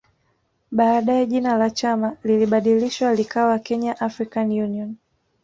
Baadae jina la chama lilibadilishwa likawa Kenya African Union